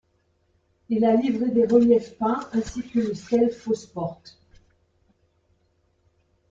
Il a livré des reliefs peints ainsi qu'une stèle fausse porte.